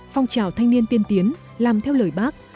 phong trào thanh niên tiên tiến làm theo lời bác